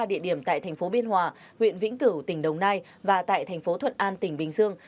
ba địa điểm tại thành phố biên hòa huyện vĩnh cửu tỉnh đồng nai và tại thành phố thuận an tỉnh bình dương